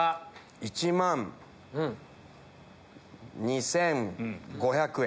１万２５００円。